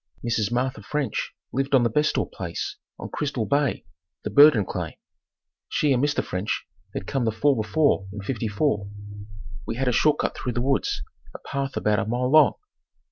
Mrs. Martha French lived on the Bestor place on Crystal Bay, the Burdon claim. She and Mr. French had come the fall before in '54. We had a short cut through the woods, a path about a mile long.